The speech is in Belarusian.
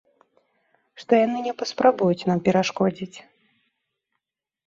Што яны не паспрабуюць нам перашкодзіць.